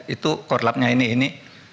itu korlapnya ini